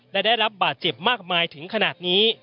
และได้รับบาดเจ็บมากมายถึงขนาดนี้